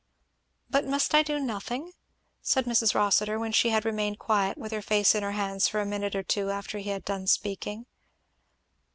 '" "But must I do nothing?" said Mrs. Rossitur, when she had remained quiet with her face in her hands for a minute or two after he had done speaking.